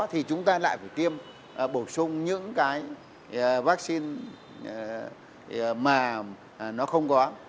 thì chúng ta lại phải tiêm bổ sung những cái vaccine mà nó không có